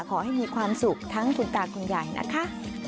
ขอให้มีความสุขทั้งคุณตาคุณยายนะคะ